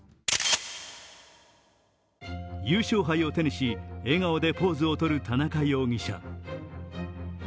優勝杯を手にし、笑顔でポーズを取る田中容疑者。